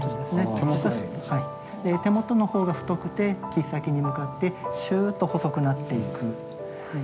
手元の方が太くて切っ先に向かってシューッと細くなっていく。